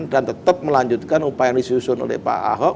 dan tetap melanjutkan upaya yang disusun oleh pak ahok